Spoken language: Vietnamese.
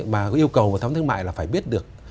mà yêu cầu một thống thương mại là phải biết được